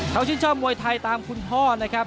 เขาชื่นชอบมวยไทยตามคุณพ่อนะครับ